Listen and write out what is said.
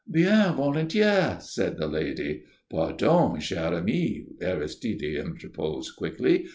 "Bien volontiers," said the lady. "Pardon, chère amie," Aristide interposed, quickly.